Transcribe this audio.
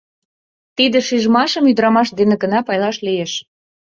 Тиде шижмашым ӱдырамаш дене гына пайлаш лиеш.